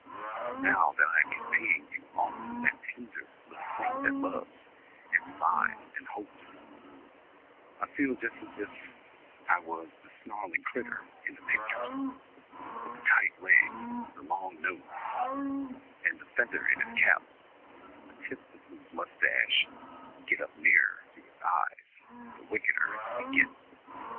And now that I am conveying you off from that tender little thing that loves, and relies, and hopes, I feel just as if I was the snarling crittur in the picters, with the tight legs, the long nose, and the feather in his cap, the tips of whose moustaches get up nearer to his eyes the wickeder he gets."